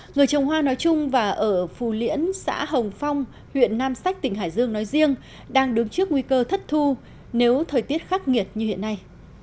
người trồng hoa nói chung và ở phù liễn xã hồng phong huyện nam sách tỉnh hải dương nói riêng đang đứng trước nguy cơ thất thu nếu thời tiết khắc nghiệt như hiện nay